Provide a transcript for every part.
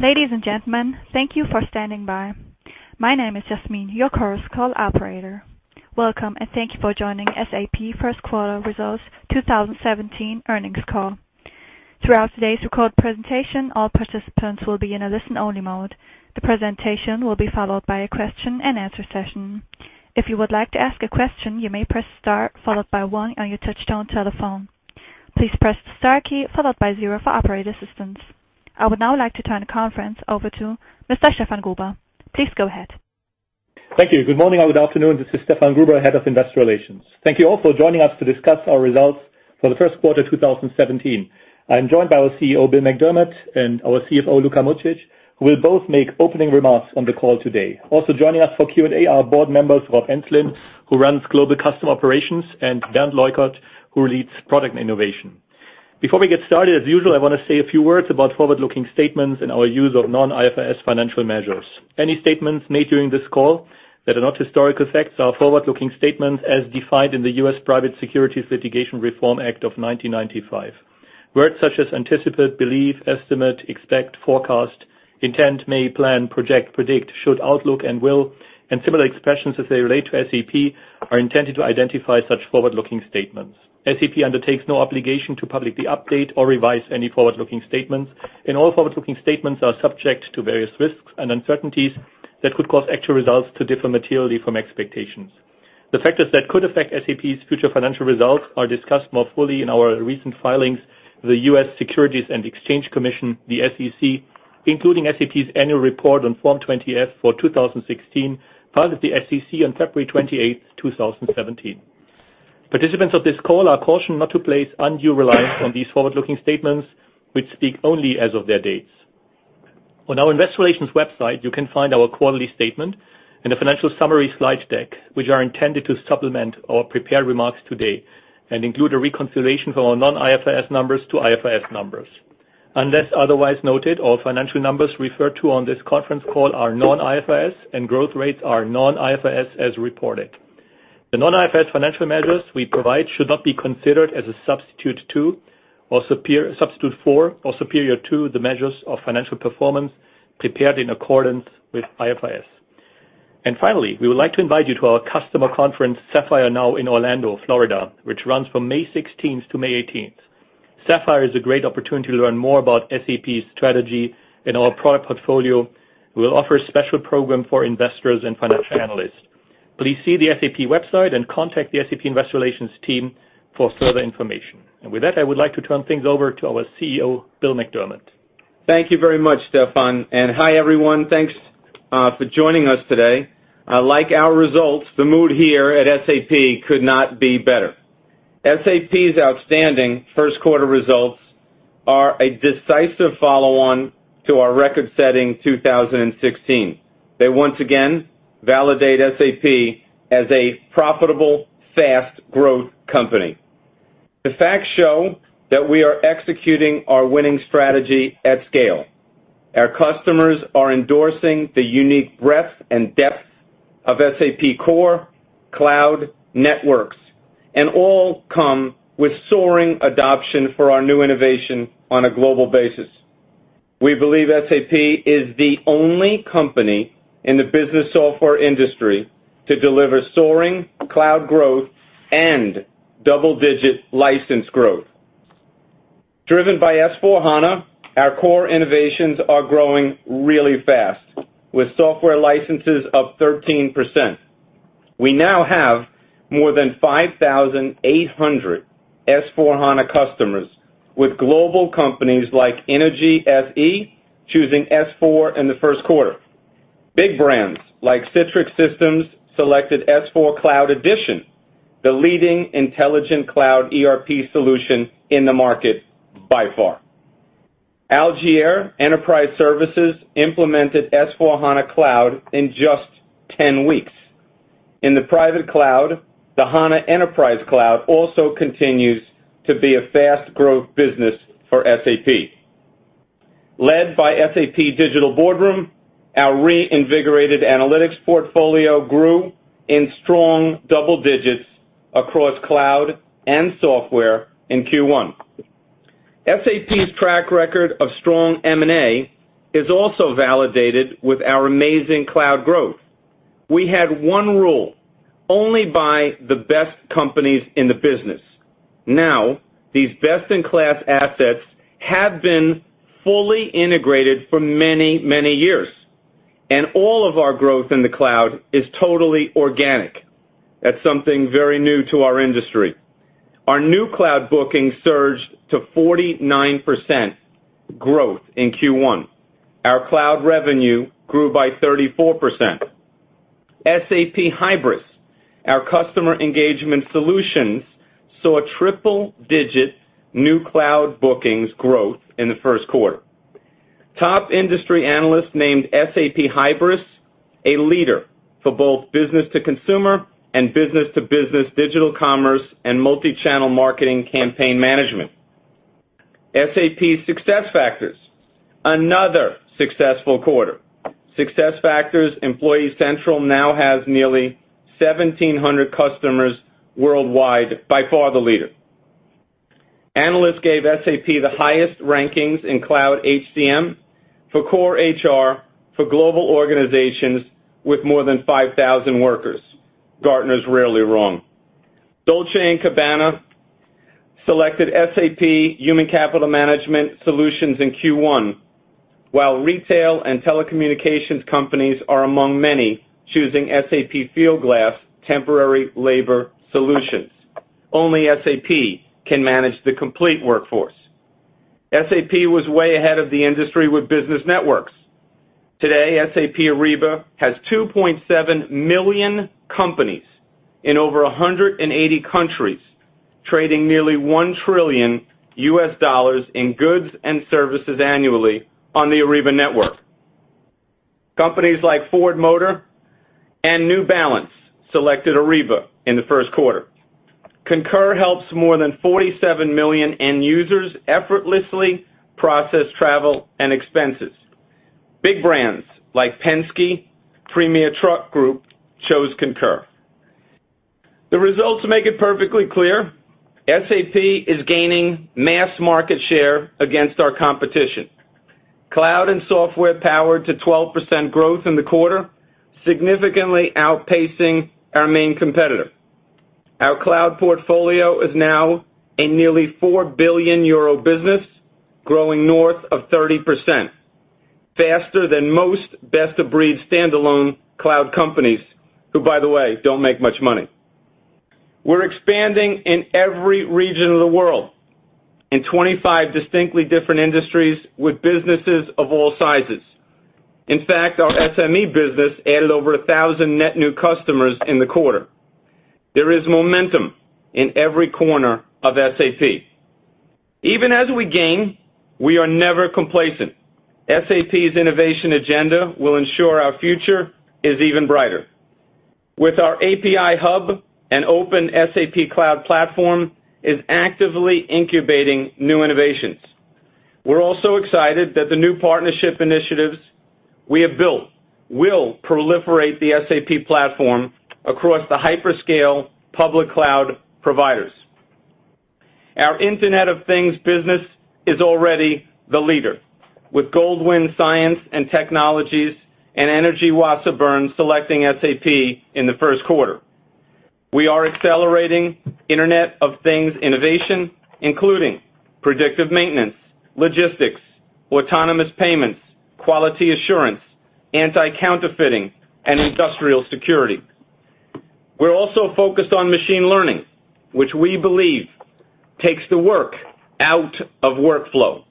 Ladies and gentlemen, thank you for standing by. My name is Jasmine, your Chorus Call operator. Welcome and thank you for joining SAP first quarter results 2017 earnings call. Throughout today's recorded presentation, all participants will be in a listen-only mode. The presentation will be followed by a question and answer session. If you would like to ask a question, you may press star followed by one on your touchtone telephone. Please press the star key followed by zero for operator assistance. I would now like to turn the conference over to Mr. Stefan Gruber. Please go ahead. Thank you. Good morning or good afternoon. This is Stefan Gruber, Head of Investor Relations. Thank you all for joining us to discuss our results for the first quarter 2017. I am joined by our CEO, Bill McDermott, and our CFO, Luka Mucic, who will both make opening remarks on the call today. Also joining us for Q&A are board members Rob Enslin, who runs global customer operations, and Bernd Leukert, who leads product innovation. Before we get started, as usual, I want to say a few words about forward-looking statements and our use of non-IFRS financial measures. Any statements made during this call that are not historical facts are forward-looking statements as defined in the U.S. Private Securities Litigation Reform Act of 1995. Words such as anticipate, believe, estimate, expect, forecast, intend, may, plan, project, predict, should, outlook, and will, and similar expressions as they relate to SAP, are intended to identify such forward-looking statements. SAP undertakes no obligation to publicly update or revise any forward-looking statements, and all forward-looking statements are subject to various risks and uncertainties that could cause actual results to differ materially from expectations. The factors that could affect SAP's future financial results are discussed more fully in our recent filings with the U.S. Securities and Exchange Commission, the SEC, including SAP's annual report on Form 20-F for 2016, filed with the SEC on February 28, 2017. Participants of this call are cautioned not to place undue reliance on these forward-looking statements, which speak only as of their dates. On our Investor Relations website, you can find our quarterly statement and a financial summary slide deck, which are intended to supplement our prepared remarks today and include a reconciliation for our non-IFRS numbers to IFRS numbers. Unless otherwise noted, all financial numbers referred to on this conference call are non-IFRS and growth rates are non-IFRS as reported. The non-IFRS financial measures we provide should not be considered as a substitute for or superior to the measures of financial performance prepared in accordance with IFRS. Finally, we would like to invite you to our customer conference, Sapphire Now in Orlando, Florida, which runs from May 16th to May 18th. Sapphire is a great opportunity to learn more about SAP strategy and our product portfolio. We'll offer a special program for investors and financial analysts. Please see the SAP website and contact the SAP Investor Relations team for further information. With that, I would like to turn things over to our CEO, Bill McDermott. Thank you very much, Stefan. Hi, everyone. Thanks for joining us today. Like our results, the mood here at SAP could not be better. SAP's outstanding first quarter results are a decisive follow-on to our record-setting 2016. They once again validate SAP as a profitable, fast growth company. The facts show that we are executing our winning strategy at scale. Our customers are endorsing the unique breadth and depth of SAP core, cloud, networks, and all come with soaring adoption for our new innovation on a global basis. We believe SAP is the only company in the business software industry to deliver soaring cloud growth and double-digit license growth. Driven by S/4HANA, our core innovations are growing really fast, with software licenses up 13%. We now have more than 5,800 S/4HANA customers, with global companies like Energa Wytwarzanie choosing S/4 in the first quarter. Big brands like Citrix Systems selected S/4 Cloud Edition, the leading intelligent cloud ERP solution in the market by far. Allgeier Enterprise Services implemented S/4HANA Cloud in just 10 weeks. In the private cloud, the HANA Enterprise Cloud also continues to be a fast growth business for SAP. Led by SAP Digital Boardroom, our reinvigorated analytics portfolio grew in strong double digits across cloud and software in Q1. SAP's track record of strong M&A is also validated with our amazing cloud growth. We had one rule: only buy the best companies in the business. Now, these best-in-class assets have been fully integrated for many, many years, and all of our growth in the cloud is totally organic. That's something very new to our industry. Our new cloud bookings surged to 49% growth in Q1. Our cloud revenue grew by 34%. SAP Hybris, our customer engagement solutions, saw triple-digit new cloud bookings growth in the first quarter. Top industry analysts named SAP Hybris a leader for both business to consumer and business to business digital commerce and multi-channel marketing campaign management. SAP SuccessFactors, another successful quarter. SuccessFactors Employee Central now has nearly 1,700 customers worldwide, by far the leader. Analysts gave SAP the highest rankings in cloud HCM for core HR for global organizations with more than 5,000 workers. Gartner's rarely wrong. Dolce & Gabbana selected SAP human capital management solutions in Q1, while retail and telecommunications companies are among many choosing SAP Fieldglass temporary labor solutions. Only SAP can manage the complete workforce. SAP was way ahead of the industry with business networks. Today, SAP Ariba has 2.7 million companies in over 180 countries, trading nearly EUR 1 trillion in goods and services annually on the Ariba Network. Companies like Ford Motor and New Balance selected Ariba in the first quarter. Concur helps more than 47 million end users effortlessly process travel and expenses. Big brands like Penske, Premier Truck Group chose Concur. The results make it perfectly clear, SAP is gaining mass market share against our competition. Cloud and software power to 12% growth in the quarter, significantly outpacing our main competitor. Our cloud portfolio is now a nearly 4 billion euro business, growing north of 30%, faster than most best-of-breed standalone cloud companies, who by the way, don't make much money. We're expanding in every region of the world, in 25 distinctly different industries with businesses of all sizes. In fact, our SME business added over 1,000 net new customers in the quarter. There is momentum in every corner of SAP. Even as we gain, we are never complacent. SAP's innovation agenda will ensure our future is even brighter. With our API hub and open SAP Cloud Platform is actively incubating new innovations. We're also excited that the new partnership initiatives we have built will proliferate the SAP platform across the hyperscale public cloud providers. Our Internet of Things business is already the leader, with Goldwind Science & Technology and Energa Wytwarzanie selecting SAP in the first quarter. We are accelerating Internet of Things innovation, including predictive maintenance, logistics, autonomous payments, quality assurance, anti-counterfeiting, and industrial security. We're also focused on machine learning, which we believe takes the work out of workflow.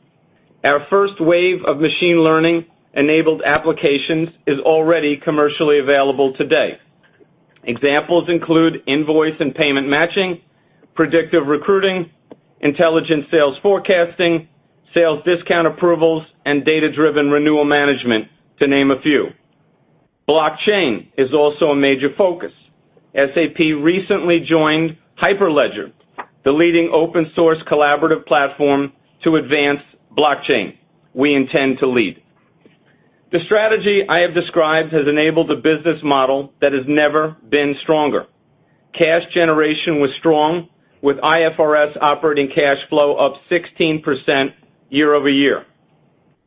Our first wave of machine learning-enabled applications is already commercially available today. Examples include invoice and payment matching, predictive recruiting, intelligence sales forecasting, sales discount approvals, and data-driven renewal management, to name a few. Blockchain is also a major focus. SAP recently joined Hyperledger, the leading open source collaborative platform to advance blockchain. We intend to lead. The strategy I have described has enabled a business model that has never been stronger. Cash generation was strong, with IFRS operating cash flow up 16% year-over-year.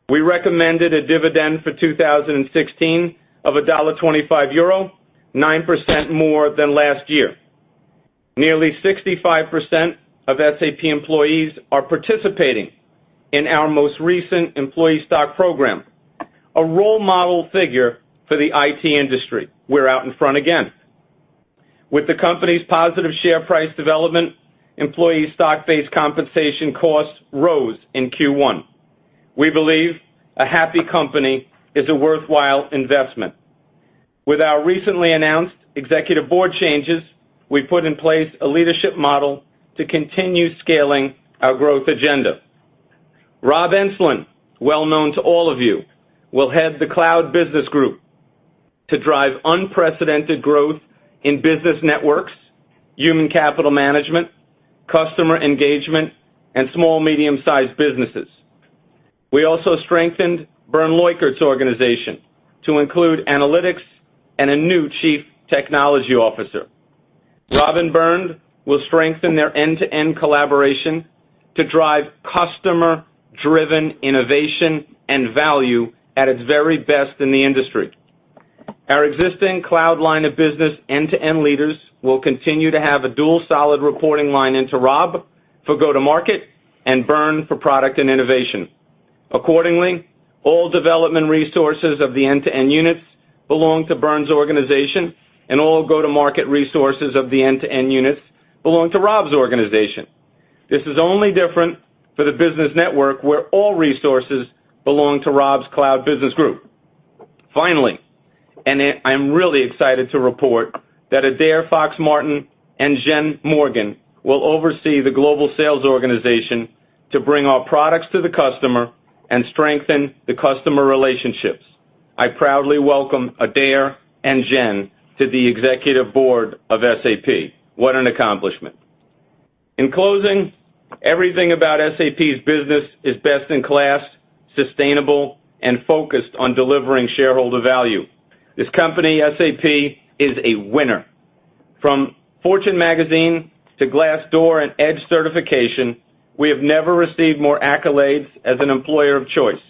We recommended a dividend for 2016 of 1.25 euro, 9% more than last year. Nearly 65% of SAP employees are participating in our most recent employee stock program, a role model figure for the IT industry. We're out in front again. With the company's positive share price development, employee stock-based compensation costs rose in Q1. We believe a happy company is a worthwhile investment. With our recently announced executive board changes, we put in place a leadership model to continue scaling our growth agenda. Rob Enslin, well known to all of you, will head the cloud business group to drive unprecedented growth in business networks, human capital management, customer engagement, and small, medium-sized businesses. We also strengthened Bernd Leukert's organization to include analytics and a new Chief Technology Officer. Rob and Bernd will strengthen their end-to-end collaboration to drive customer-driven innovation and value at its very best in the industry. Our existing cloud line of business end-to-end leaders will continue to have a dual solid reporting line into Rob for go-to-market and Bernd for product and innovation. Accordingly, all development resources of the end-to-end units belong to Bernd's organization, and all go-to-market resources of the end-to-end units belong to Rob's organization. This is only different for the business network where all resources belong to Rob's cloud business group. Finally, I'm really excited to report that Adaire Fox-Martin and Jen Morgan will oversee the global sales organization to bring our products to the customer and strengthen the customer relationships. I proudly welcome Adaire and Jen to the Executive Board of SAP. What an accomplishment. In closing, everything about SAP's business is best in class, sustainable, and focused on delivering shareholder value. This company, SAP, is a winner. From Fortune Magazine to Glassdoor and EDGE Certification, we have never received more accolades as an employer of choice.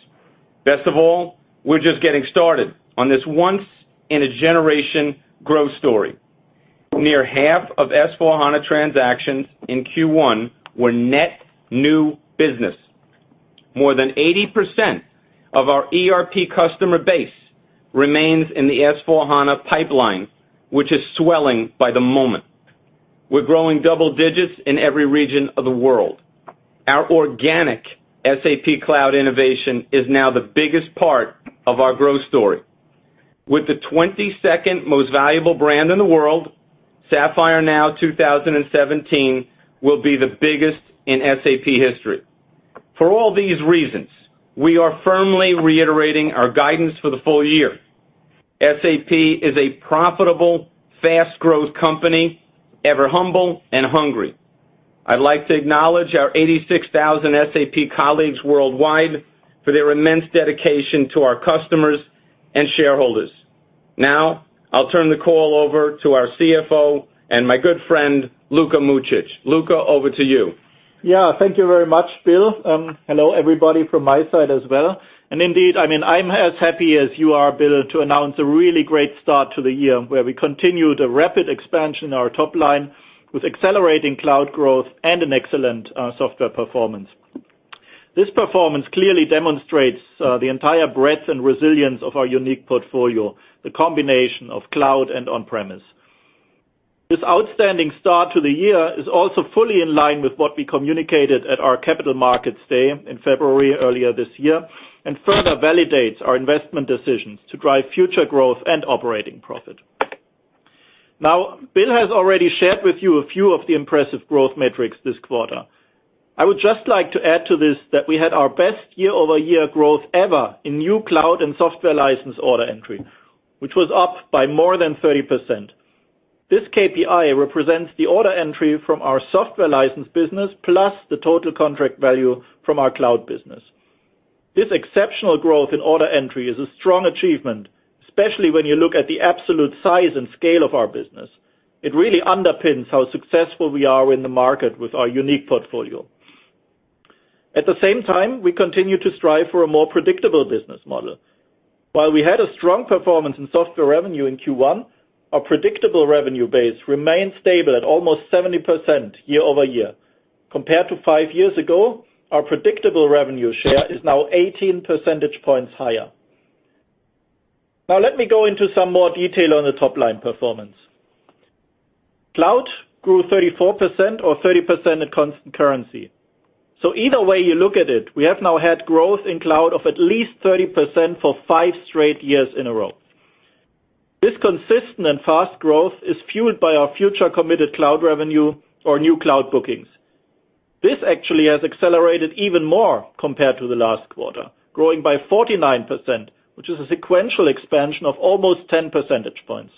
Best of all, we're just getting started on this once in a generation growth story. Near half of S/4HANA transactions in Q1 were net new business. More than 80% of our ERP customer base remains in the S/4HANA pipeline, which is swelling by the moment. We're growing double digits in every region of the world. Yeah. Thank you very much, Bill. Hello, everybody from my side as well. Indeed, I'm as happy as you are, Bill, to announce a really great start to the year, where we continued a rapid expansion of our top line with accelerating cloud growth and an excellent software performance. I would just like to add to this, that we had our best year-over-year growth ever in new cloud and software license order entry, which was up by more than 30%. This KPI represents the order entry from our software license business, plus the total contract value from our cloud business. This exceptional growth in order entry is a strong achievement, especially when you look at the absolute size and scale of our business. It really underpins how successful we are in the market with our unique portfolio. At the same time, we continue to strive for a more predictable business model. While we had a strong performance in software revenue in Q1, our predictable revenue base remained stable at almost 70% year-over-year. Compared to five years ago, our predictable revenue share is now 18 percentage points higher. Let me go into some more detail on the top-line performance. Cloud grew 34% or 30% at constant currency. Either way you look at it, we have now had growth in cloud of at least 30% for five straight years in a row. This consistent and fast growth is fueled by our future committed cloud revenue or new cloud bookings. This actually has accelerated even more compared to the last quarter, growing by 49%, which is a sequential expansion of almost 10 percentage points.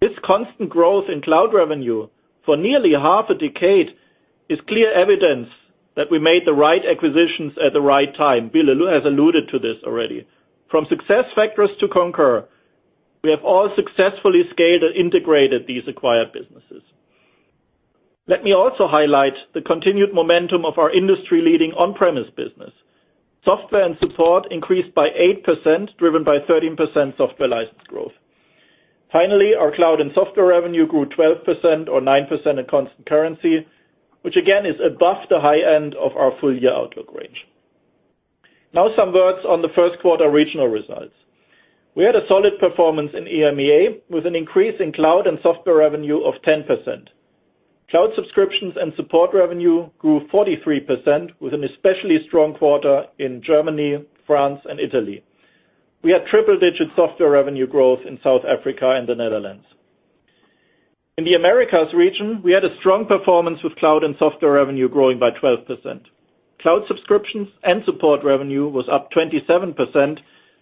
This constant growth in cloud revenue for nearly half a decade is clear evidence that we made the right acquisitions at the right time. Bill has alluded to this already. From SuccessFactors to Concur, we have all successfully scaled and integrated these acquired businesses. Let me also highlight the continued momentum of our industry-leading on-premise business. Software and support increased by 8%, driven by 13% software license growth. Our cloud and software revenue grew 12% or 9% at constant currency, which again, is above the high end of our full-year outlook range. Some words on the first quarter regional results. We had a solid performance in EMEA, with an increase in cloud and software revenue of 10%. Cloud subscriptions and support revenue grew 43%, with an especially strong quarter in Germany, France, and Italy. We had triple-digit software revenue growth in South Africa and the Netherlands. In the Americas region, we had a strong performance with cloud and software revenue growing by 12%. Cloud subscriptions and support revenue was up 27%,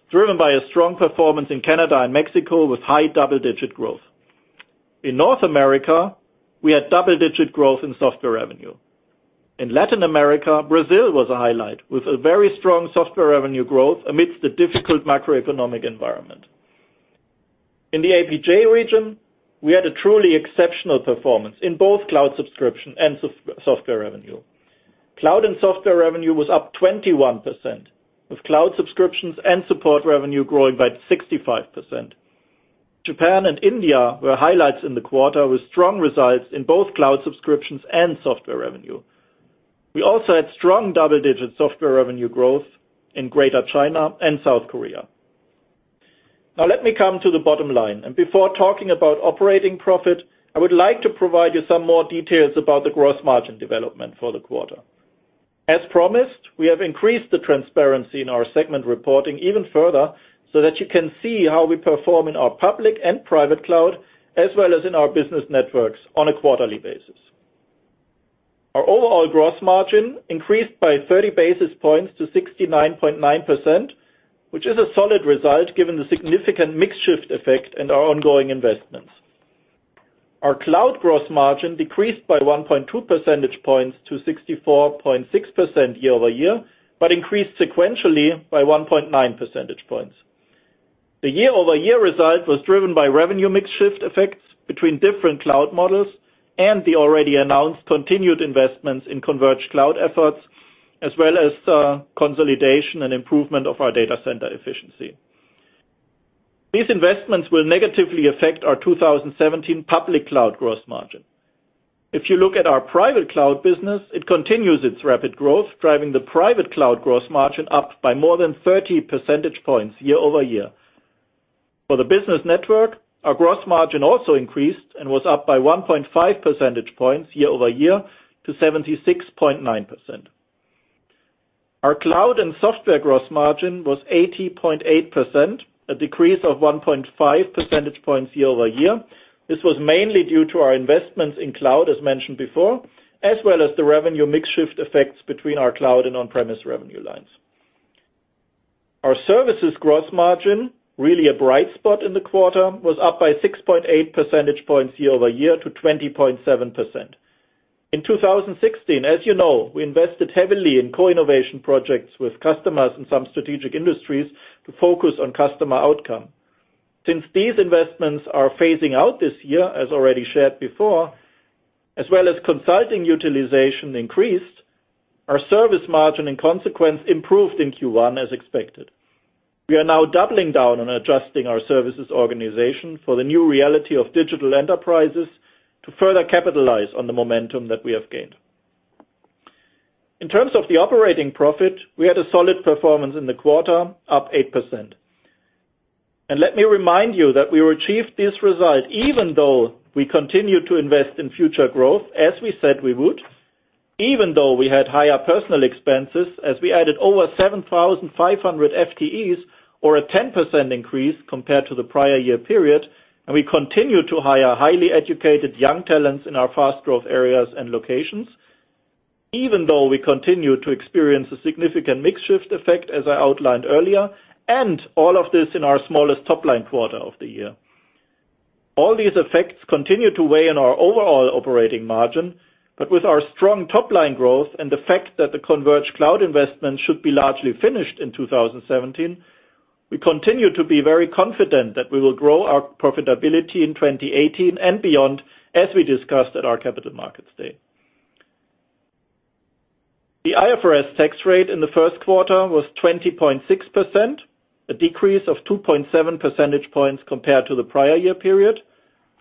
driven by a strong performance in Canada and Mexico with high double-digit growth. In North America, we had double-digit growth in software revenue. In Latin America, Brazil was a highlight, with a very strong software revenue growth amidst the difficult macroeconomic environment. In the APJ region, we had a truly exceptional performance in both cloud subscription and software revenue. Cloud and software revenue was up 21%, with cloud subscriptions and support revenue growing by 65%. Japan and India were highlights in the quarter, with strong results in both cloud subscriptions and software revenue. We also had strong double-digit software revenue growth in Greater China and South Korea. Let me come to the bottom line. Before talking about operating profit, I would like to provide you some more details about the gross margin development for the quarter. As promised, we have increased the transparency in our segment reporting even further, so that you can see how we perform in our public and private cloud, as well as in our business networks on a quarterly basis. Our overall gross margin increased by 30 basis points to 69.9%, which is a solid result given the significant mix shift effect and our ongoing investments. Our cloud gross margin decreased by 1.2 percentage points to 64.6% year-over-year, but increased sequentially by 1.9 percentage points. The year-over-year result was driven by revenue mix shift effects between different cloud models and the already announced continued investments in converged cloud efforts, as well as consolidation and improvement of our data center efficiency. These investments will negatively affect our 2017 public cloud gross margin. If you look at our private cloud business, it continues its rapid growth, driving the private cloud gross margin up by more than 30 percentage points year over year. For the business network, our gross margin also increased and was up by 1.5 percentage points year over year to 76.9%. Our cloud and software gross margin was 80.8%, a decrease of 1.5 percentage points year over year. This was mainly due to our investments in cloud, as mentioned before, as well as the revenue mix shift effects between our cloud and on-premise revenue lines. Our services gross margin, really a bright spot in the quarter, was up by 6.8 percentage points year over year to 20.7%. In 2016, as you know, we invested heavily in co-innovation projects with customers in some strategic industries to focus on customer outcome. Since these investments are phasing out this year, as already shared before, as well as consulting utilization increased, our service margin in consequence improved in Q1 as expected. We are now doubling down on adjusting our services organization for the new reality of digital enterprises to further capitalize on the momentum that we have gained. In terms of the operating profit, we had a solid performance in the quarter, up 8%. Let me remind you that we achieved this result even though we continued to invest in future growth, as we said we would, even though we had higher personnel expenses as we added over 7,500 FTEs or a 10% increase compared to the prior year period, and we continued to hire highly educated young talents in our fast growth areas and locations. Even though we continued to experience a significant mix shift effect, as I outlined earlier, and all of this in our smallest top-line quarter of the year. All these effects continued to weigh on our overall operating margin. With our strong top-line growth and the fact that the converged cloud investment should be largely finished in 2017, we continue to be very confident that we will grow our profitability in 2018 and beyond, as we discussed at our capital markets day. The IFRS tax rate in the first quarter was 20.6%, a decrease of 2.7 percentage points compared to the prior year period.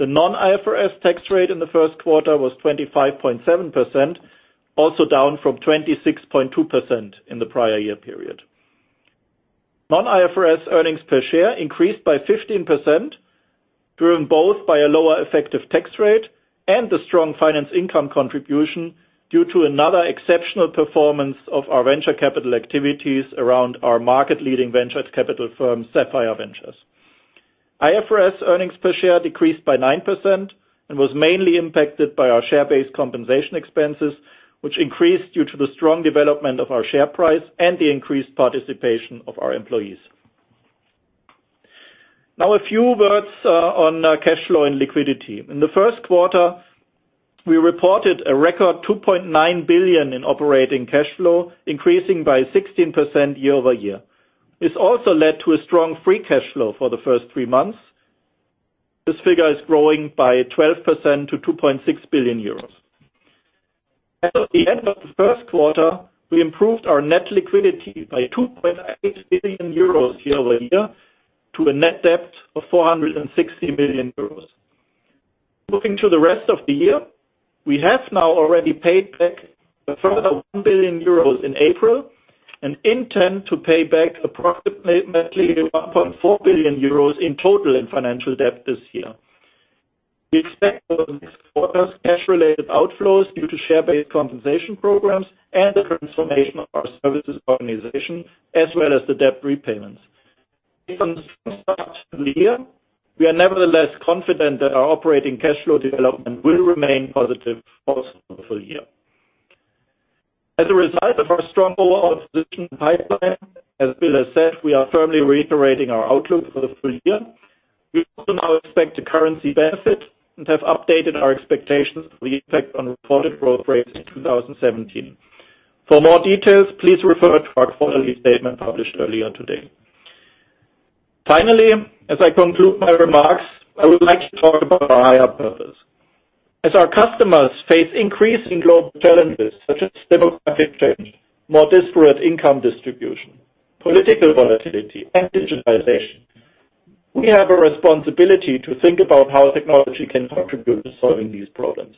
The non-IFRS tax rate in the first quarter was 25.7%, also down from 26.2% in the prior year period. Non-IFRS earnings per share increased by 15%, driven both by a lower effective tax rate and the strong finance income contribution due to another exceptional performance of our venture capital activities around our market-leading venture capital firm, Sapphire Ventures. IFRS earnings per share decreased by 9% and was mainly impacted by our share-based compensation expenses, which increased due to the strong development of our share price and the increased participation of our employees. A few words on cash flow and liquidity. In the first quarter, we reported a record 2.9 billion in operating cash flow, increasing by 16% year over year. This also led to a strong free cash flow for the first three months. This figure is growing by 12% to €2.6 billion. At the end of the first quarter, we improved our net liquidity by €2.8 billion year over year to a net debt of €460 million. Looking to the rest of the year, we have now already paid back a further 1 billion euros in April and intend to pay back approximately 1.4 billion euros in total in financial debt this year. We expect over the next quarters cash-related outflows due to share-based compensation programs and the transformation of our services organization, as well as the debt repayments. We are nevertheless confident that our operating cash flow development will remain positive also for the full year. As a result of our strong overall position in the pipeline, as Bill has said, we are firmly reiterating our outlook for the full year. We also now expect a currency benefit and have updated our expectations for the effect on reported growth rates in 2017. For more details, please refer to our quarterly statement published earlier today. As I conclude my remarks, I would like to talk about our higher purpose. As our customers face increasing global challenges such as demographic change, more disparate income distribution, political volatility, and digitization, we have a responsibility to think about how technology can contribute to solving these problems.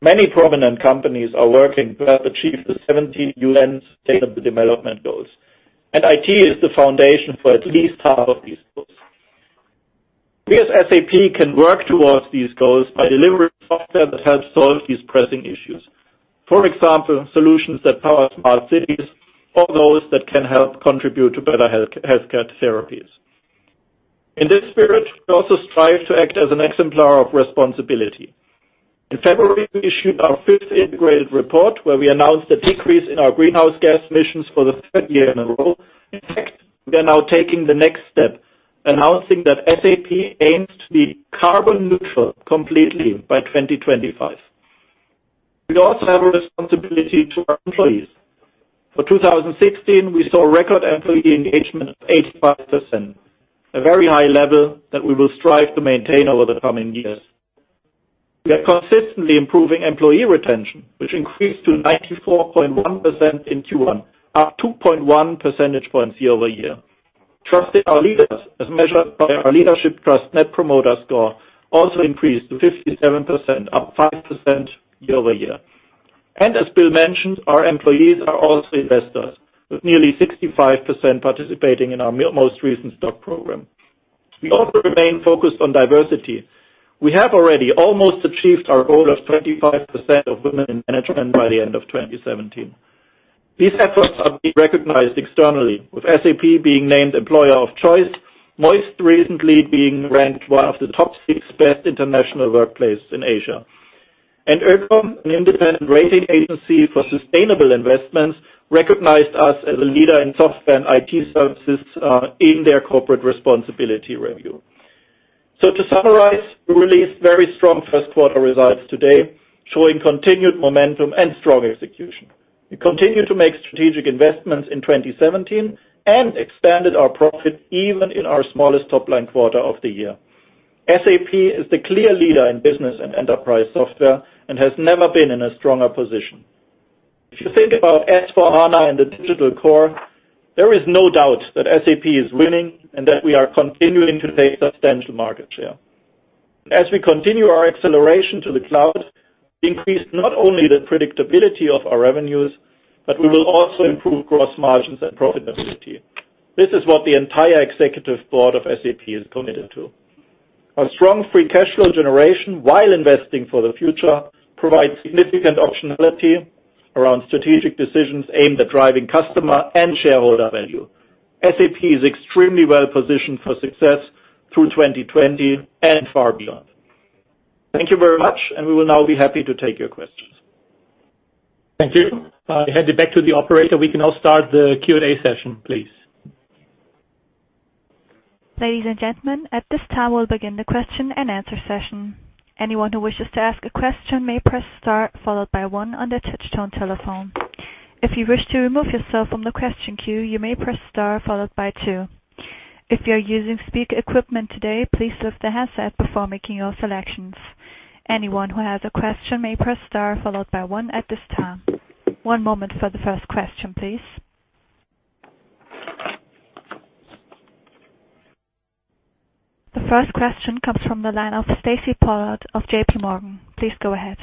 Many prominent companies are working to help achieve the 17 UN Sustainable Development Goals, and IT is the foundation for at least half of these goals. We as SAP can work towards these goals by delivering software that helps solve these pressing issues. For example, solutions that power smart cities or those that can help contribute to better healthcare therapies. In this spirit, we also strive to act as an exemplar of responsibility. In February, we issued our fifth integrated report where we announced a decrease in our greenhouse gas emissions for the third year in a row. We are now taking the next step, announcing that SAP aims to be carbon neutral completely by 2025. We also have a responsibility to our employees. For 2016, we saw record employee engagement of 85%, a very high level that we will strive to maintain over the coming years. We are consistently improving employee retention, which increased to 94.1% in Q1, up 2.1 percentage points year-over-year. Trust in our leaders, as measured by our leadership trust net promoter score, also increased to 57%, up 5% year-over-year. As Bill mentioned, our employees are also investors, with nearly 65% participating in our most recent stock program. We also remain focused on diversity. We have already almost achieved our goal of 25% of women in management by the end of 2017. These efforts are being recognized externally, with SAP being named employer of choice, most recently being ranked one of the top six best international workplace in Asia. Oekom, an independent rating agency for sustainable investments, recognized us as a leader in software and IT services in their corporate responsibility review. To summarize, we released very strong first quarter results today, showing continued momentum and strong execution. We continue to make strategic investments in 2017 and expanded our profit even in our smallest top-line quarter of the year. SAP is the clear leader in business and enterprise software and has never been in a stronger position. If you think about SAP S/4HANA and the digital core, there is no doubt that SAP is winning and that we are continuing to take substantial market share. As we continue our acceleration to the cloud, we increase not only the predictability of our revenues, but we will also improve gross margins and profitability. This is what the entire Executive Board of SAP is committed to. Our strong free cash flow generation while investing for the future provides significant optionality around strategic decisions aimed at driving customer and shareholder value. SAP is extremely well positioned for success through 2020 and far beyond. Thank you very much, we will now be happy to take your questions. Thank you. Hand it back to the operator. We can now start the Q&A session, please. Ladies and gentlemen, at this time, we will begin the question and answer session. Anyone who wishes to ask a question may press star followed by one on their touch-tone telephone. If you wish to remove yourself from the question queue, you may press star followed by two. If you are using speaker equipment today, please lift the headset before making your selections. Anyone who has a question may press star followed by one at this time. One moment for the first question, please. The first question comes from the line of Stacy Pollard of J.P. Morgan. Please go ahead.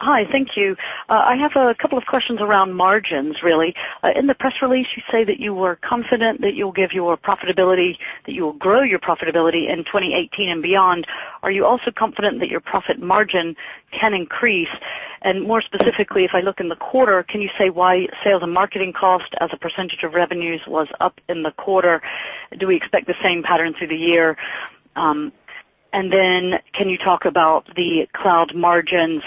Hi. Thank you. I have a couple of questions around margins, really. In the press release, you say that you were confident that you will give your profitability, that you will grow your profitability in 2018 and beyond. Are you also confident that your profit margin can increase? More specifically, if I look in the quarter, can you say why sales and marketing cost as a percentage of revenues was up in the quarter? Do we expect the same pattern through the year? Then can you talk about the cloud margins?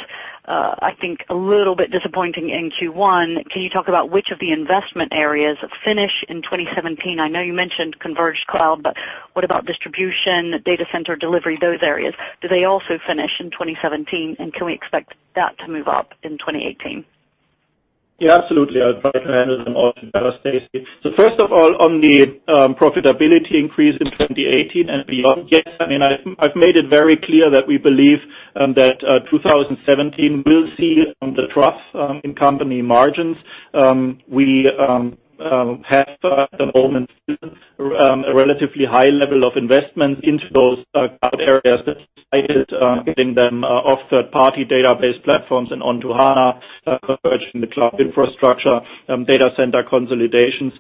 I think a little bit disappointing in Q1. Can you talk about which of the investment areas finish in 2017? I know you mentioned converged cloud, but what about distribution, data center delivery, those areas? Do they also finish in 2017, and can we expect that to move up in 2018? Yeah, absolutely. I'll try to handle them all together, Stacy. First of all, on the profitability increase in 2018 and beyond, yes. I've made it very clear that we believe that 2017 will see the trough in company margins. We have at the moment a relatively high level of investment into those cloud areas that getting them off third-party database platforms and onto HANA, converging the cloud infrastructure, data center consolidations.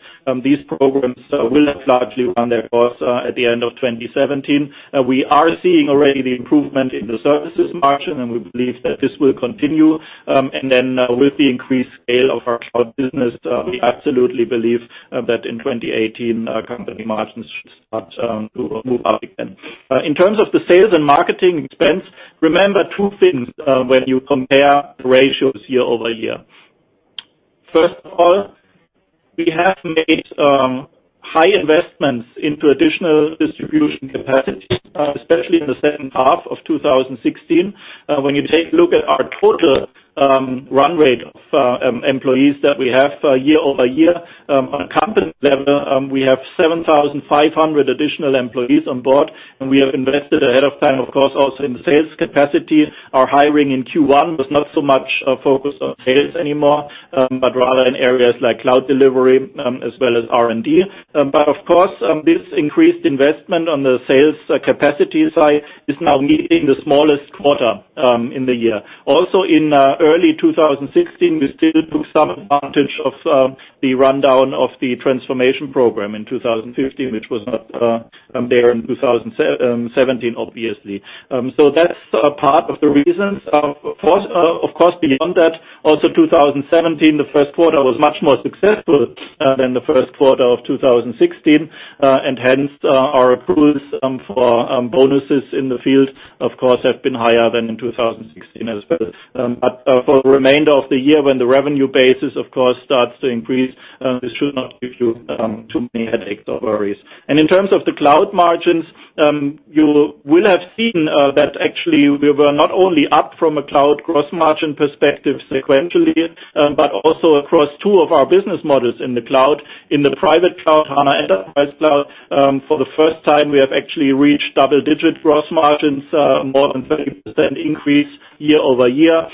These programs will have largely run their course at the end of 2017. We are seeing already the improvement in the services margin, and we believe that this will continue. With the increased scale of our cloud business, we absolutely believe that in 2018, company margins should start to move up again. In terms of the sales and marketing expense, remember two things when you compare the ratios year-over-year. First of all, we have made high investments into additional distribution capacity, especially in the second half of 2016. When you take a look at our total run rate of employees that we have year-over-year on a company level, we have 7,500 additional employees on board, and we have invested ahead of time, of course, also in the sales capacity. Our hiring in Q1 was not so much a focus on sales anymore, but rather in areas like cloud delivery, as well as R&D. Of course, this increased investment on the sales capacity side is now meeting the smallest quarter in the year. Also in early 2016, we still took some advantage of the rundown of the transformation program in 2015, which was not there in 2017, obviously. That's part of the reason. Of course, beyond that, also 2017, the first quarter was much more successful than the first quarter of 2016. Our approvals for bonuses in the field, of course, have been higher than in 2016 as well. For the remainder of the year, when the revenue basis, of course, starts to increase, this should not give you too many headaches or worries. In terms of the cloud margins, you will have seen that actually we were not only up from a cloud gross margin perspective sequentially, but also across two of our business models in the cloud. In the private cloud, SAP HANA Enterprise Cloud, for the first time, we have actually reached double-digit gross margins, more than 30% increase year-over-year.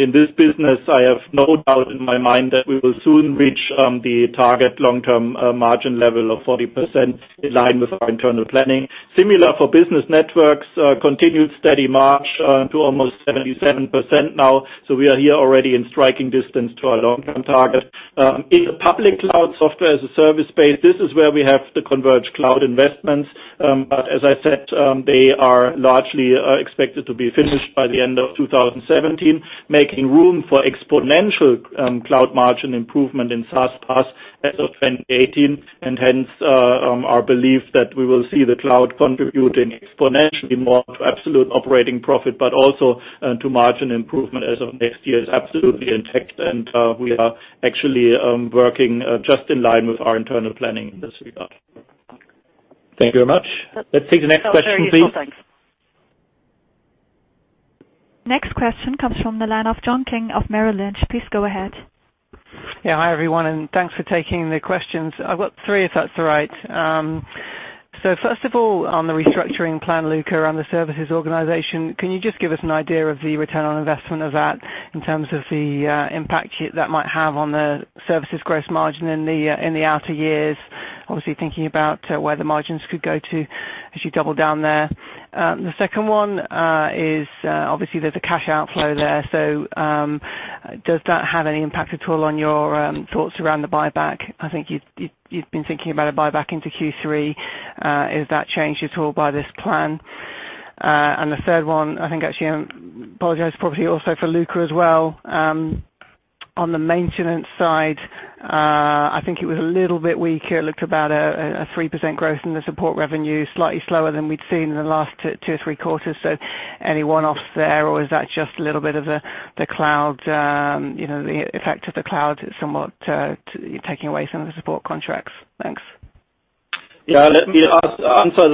In this business, I have no doubt in my mind that we will soon reach the target long-term margin level of 40%, in line with our internal planning. Similar for business networks, continued steady march to almost 77% now. We are here already in striking distance to our long-term target. In the public cloud software as a service space, this is where we have the converged cloud investments. As I said, they are largely expected to be finished by the end of 2017, making room for exponential cloud margin improvement in SaaS PaaS as of 2018. Our belief that we will see the cloud contributing exponentially more to absolute operating profit, but also to margin improvement as of next year is absolutely intact. We are actually working just in line with our internal planning in this regard. Thank you very much. Let's take the next question, please. That was very useful. Thanks. Next question comes from the line of John King of Merrill Lynch. Please go ahead. Hi, everyone, and thanks for taking the questions. I've got three, if that's all right. First of all, on the restructuring plan, Luka, on the services organization, can you just give us an idea of the return on investment of that in terms of the impact that might have on the services gross margin in the outer years? Obviously thinking about where the margins could go to as you double down there. The second one is, obviously there's a cash outflow there. Does that have any impact at all on your thoughts around the buyback? I think you've been thinking about a buyback into Q3. Is that changed at all by this plan? The third one, I think actually, apologize, probably also for Luka as well. On the maintenance side, I think it was a little bit weaker. It looked about a 3% growth in the support revenue, slightly slower than we'd seen in the last two or three quarters. Any one-offs there, or is that just a little bit of the effect of the cloud somewhat taking away some of the support contracts? Thanks. Yeah. Let me answer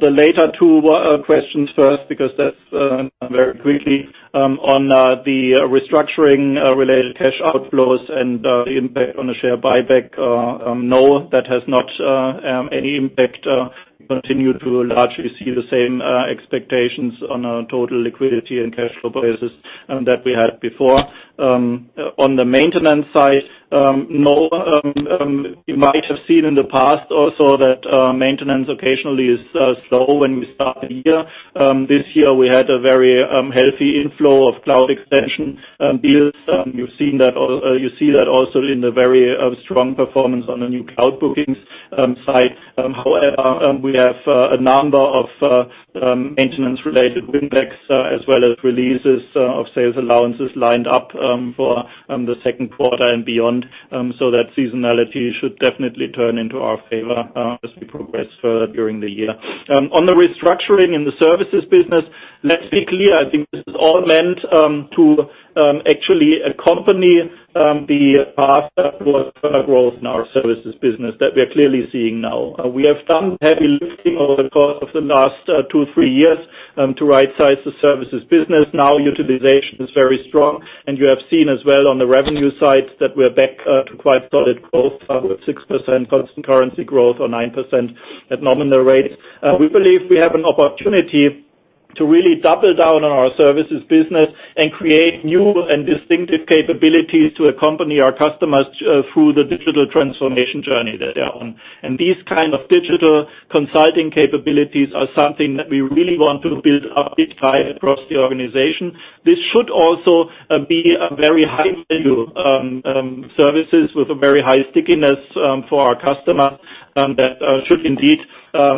the later two questions first, because that's very quickly. On the restructuring related cash outflows and the impact on the share buyback, no, that has not any impact. We continue to largely see the same expectations on a total liquidity and cash flow basis that we had before. On the maintenance side, no. You might have seen in the past also that maintenance occasionally is slow when we start the year. This year we had a very healthy inflow of cloud extension deals. You see that also in the very strong performance on the new cloud bookings side. However, we have a number of maintenance related win-backs as well as releases of sales allowances lined up for the second quarter and beyond. That seasonality should definitely turn into our favor as we progress further during the year. On the restructuring in the services business, let's be clear, I think this is all meant to actually accompany the path towards further growth in our services business that we are clearly seeing now. We have done heavy lifting over the course of the last two, three years to rightsize the services business. Now utilization is very strong, and you have seen as well on the revenue side that we're back to quite solid growth, up at 6% constant currency growth or 9% at nominal rates. We believe we have an opportunity to really double down on our services business and create new and distinctive capabilities to accompany our customers through the digital transformation journey that they're on. These kind of digital consulting capabilities are something that we really want to build up across the organization. This should also be a very high value services with a very high stickiness for our customer. That should indeed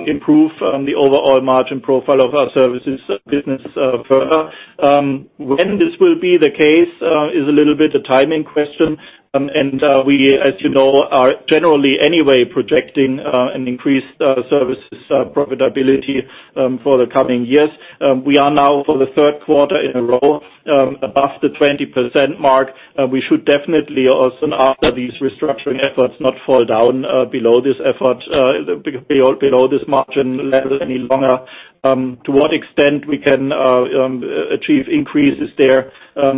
improve the overall margin profile of our services business further. When this will be the case is a little bit a timing question. We, as you know, are generally anyway projecting an increased services profitability for the coming years. We are now for the third quarter in a row above the 20% mark. We should definitely also after these restructuring efforts not fall down below this margin level any longer. To what extent we can achieve increases there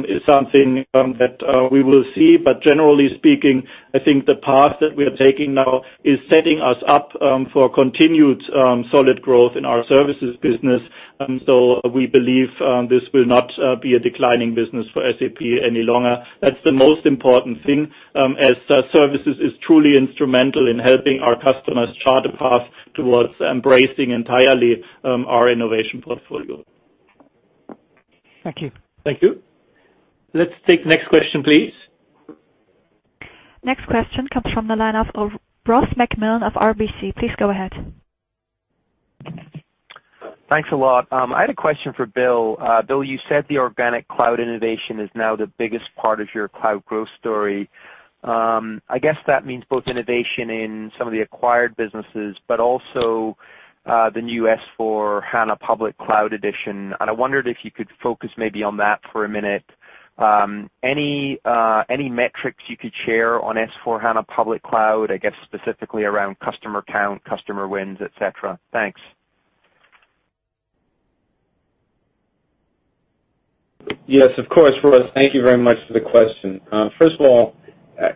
is something that we will see. Generally speaking, I think the path that we are taking now is setting us up for continued solid growth in our services business. We believe this will not be a declining business for SAP any longer. That's the most important thing, as services is truly instrumental in helping our customers chart a path towards embracing entirely our innovation portfolio. Thank you. Thank you. Let's take the next question, please. Next question comes from the line of Ross MacMillan of RBC. Please go ahead. Thanks a lot. I had a question for Bill. Bill, you said the organic cloud innovation is now the biggest part of your cloud growth story. I guess that means both innovation in some of the acquired businesses, but also the new S/4HANA Public Cloud edition. I wondered if you could focus maybe on that for a minute. Any metrics you could share on S/4HANA Public Cloud, I guess specifically around customer count, customer wins, et cetera. Thanks. Yes, of course, Ross. Thank you very much for the question. First of all,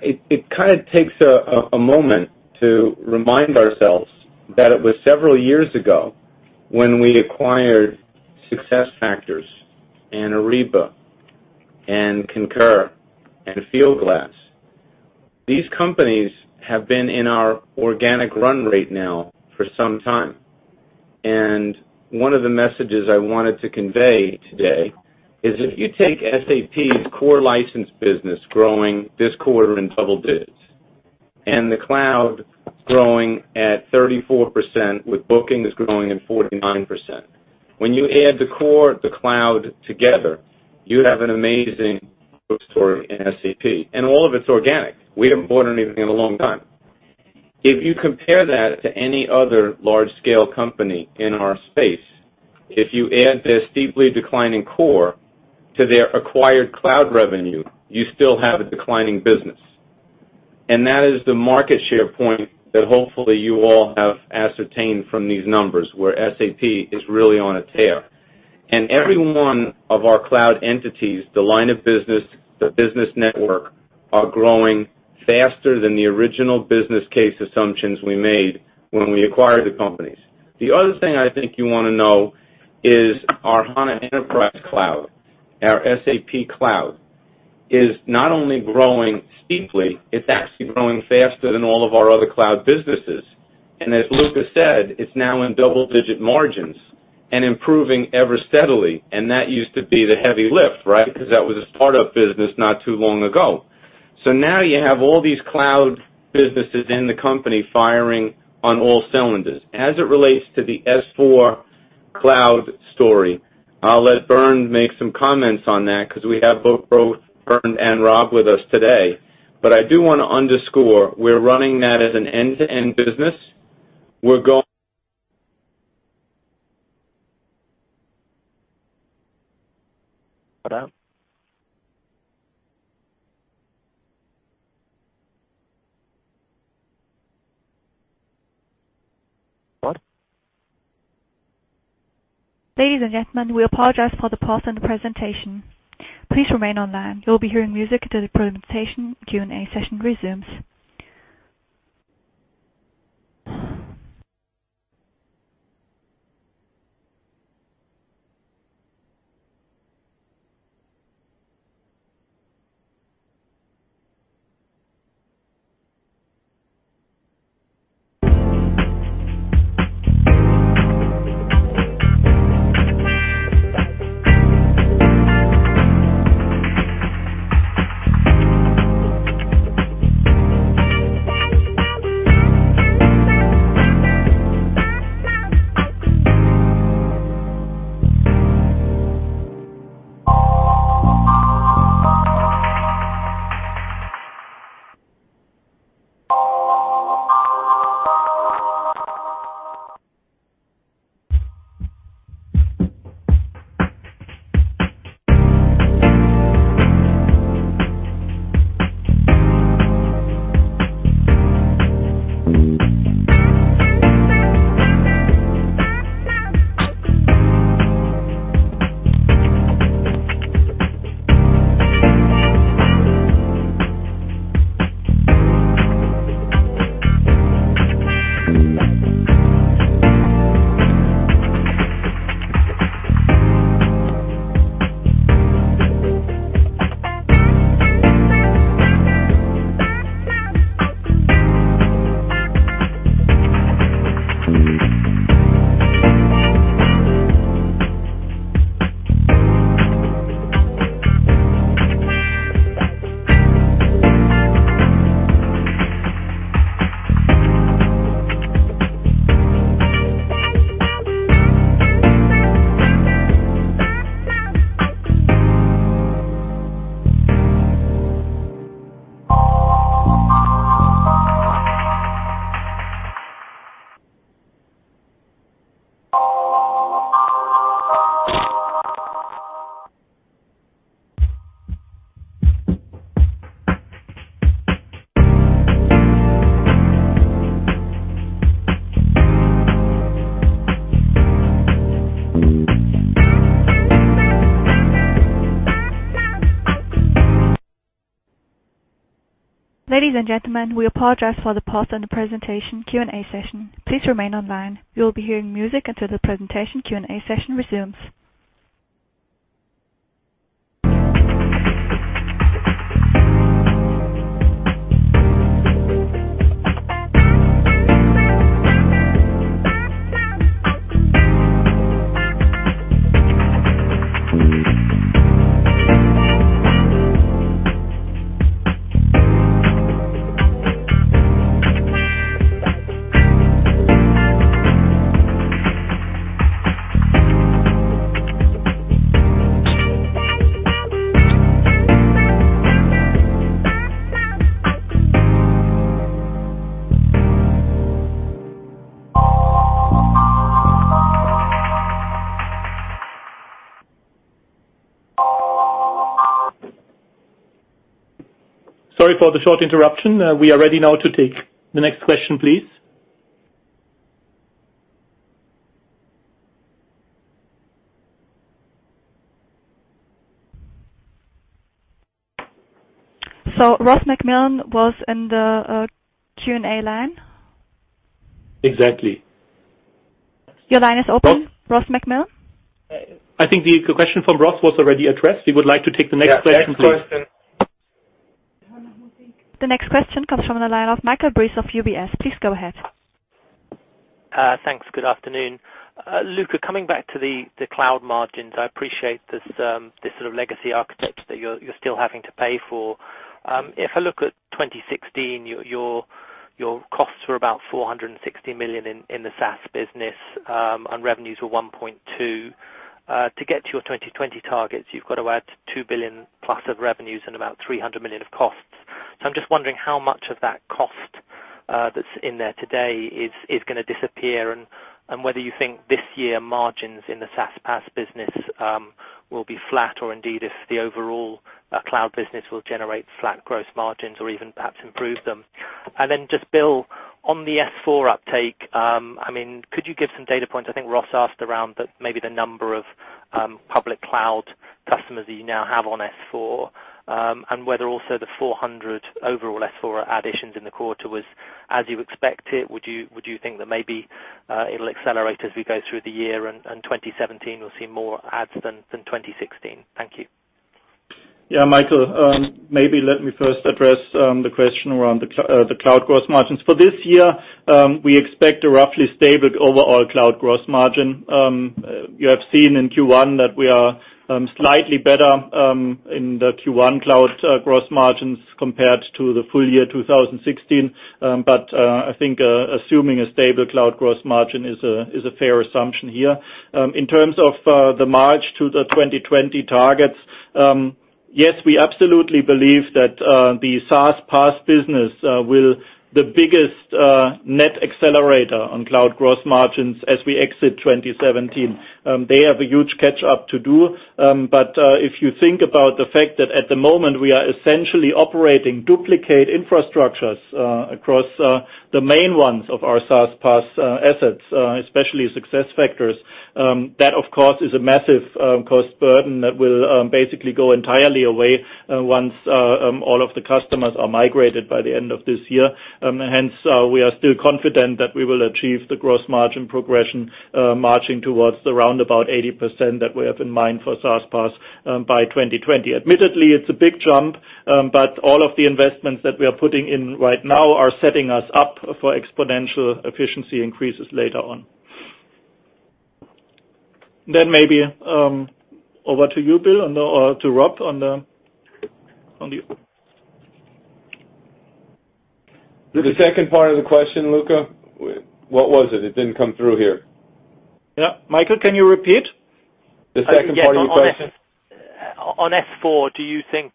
it kind of takes a moment to remind ourselves that it was several years ago when we acquired SuccessFactors and Ariba and Concur and Fieldglass. These companies have been in our organic run rate now for some time. One of the messages I wanted to convey today is if you take SAP's core license business growing this quarter in double digits, and the cloud growing at 34% with bookings growing at 49%. When you add the core, the cloud together, you have an amazing growth story in SAP, and all of it's organic. We haven't bought anything in a long time. If you compare that to any other large-scale company in our space, if you add their steeply declining core to their acquired cloud revenue, you still have a declining business. That is the market share point that hopefully you all have ascertained from these numbers, where SAP is really on a tear. Every one of our cloud entities, the line of business, the business network, are growing faster than the original business case assumptions we made when we acquired the companies. The other thing I think you want to know is our HANA Enterprise Cloud, our SAP cloud, is not only growing steeply, it's actually growing faster than all of our other cloud businesses. As Luka said, it's now in double-digit margins and improving ever steadily. That used to be the heavy lift, right? Because that was a start-up business not too long ago. Now you have all these cloud businesses in the company firing on all cylinders. As it relates to the S/4HANA Cloud story, I'll let Bernd make some comments on that because we have both Bernd and Rob with us today. I do want to underscore, we're running that as an end-to-end business. We're Q&A session resumes. Sorry for the short interruption. We are ready now to take the next question, please. Ross MacMillan was in the Q&A line. Exactly. Your line is open, Ross MacMillan. I think the question from Ross was already addressed. We would like to take the next question, please. The next question comes from the line of Michael Briest of UBS. Please go ahead. Thanks. Good afternoon. Luka, coming back to the cloud margins, I appreciate this sort of legacy architecture that you're still having to pay for. If I look at 2016, your costs were about 460 million in the SaaS business, and revenues were 1.2 billion. To get to your 2020 targets, you've got to add 2 billion plus of revenues and about 300 million of costs. I'm just wondering how much of that cost that's in there today is going to disappear, and whether you think this year margins in the SaaS PaaS business will be flat or indeed if the overall cloud business will generate flat gross margins or even perhaps improve them. And then just Bill, on the S/4 uptake, could you give some data points? I think Ross asked around maybe the number of public cloud customers that you now have on S/4, and whether also the 400 overall S/4 additions in the quarter was as you expected. Would you think that maybe it'll accelerate as we go through the year and 2017 we'll see more adds than 2016? Thank you. Yeah, Michael, maybe let me first address the question around the cloud gross margins. For this year, we expect a roughly stable overall cloud gross margin. You have seen in Q1 that we are slightly better in the Q1 cloud gross margins compared to the full year 2016. I think assuming a stable cloud gross margin is a fair assumption here. In terms of the march to the 2020 targets, yes, we absolutely believe that the SaaS PaaS business will the biggest net accelerator on cloud gross margins as we exit 2017. They have a huge catch-up to do. If you think about the fact that at the moment, we are essentially operating duplicate infrastructures across the main ones of our SaaS PaaS assets, especially SuccessFactors. That of course, is a massive cost burden that will basically go entirely away once all of the customers are migrated by the end of this year. Hence, we are still confident that we will achieve the gross margin progression, marching towards the round about 80% that we have in mind for SaaS PaaS by 2020. Admittedly, it's a big jump, but all of the investments that we are putting in right now are setting us up for exponential efficiency increases later on. Maybe over to you, Bill, or to Rob on the- The second part of the question, Luka, what was it? It didn't come through here. Yeah. Michael, can you repeat? The second part of your question. On S/4, do you think--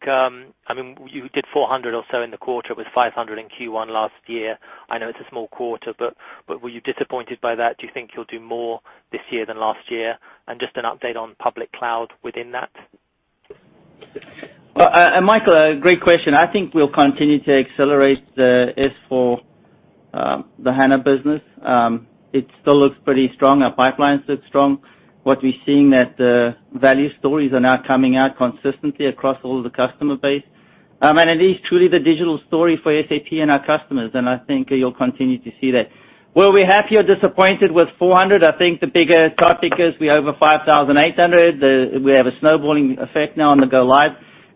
You did 400 or so in the quarter, it was 500 in Q1 last year. I know it's a small quarter, but were you disappointed by that? Do you think you'll do more this year than last year? Just an update on public cloud within that. Michael, great question. I think we'll continue to accelerate the S/4, the HANA business. It still looks pretty strong. Our pipelines look strong. What we're seeing that value stories are now coming out consistently across all the customer base. It is truly the digital story for SAP and our customers, and I think you'll continue to see that. Were we happy or disappointed with 400? I think the bigger topic is we're over 5,800. We have a snowballing effect now on the go live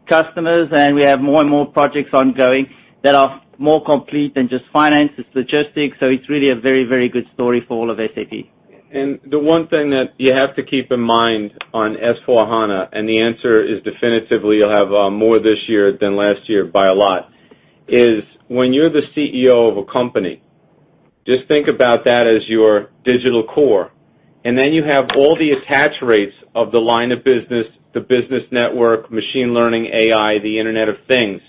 customers, and we have more and more projects ongoing that are more complete than just finance and logistics. It's really a very, very good story for all of SAP. The one thing that you have to keep in mind on SAP S/4HANA, the answer is definitively you'll have more this year than last year by a lot, is when you're the CEO of a company, just think about that as your digital core. Then you have all the attach rates of the line of business, the business network, machine learning, AI, the Internet of Things.